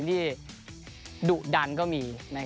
ดุดันก็มี